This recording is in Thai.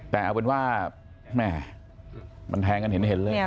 แต่เอาเป็นว่าแม่มันแทงกันเห็นเลย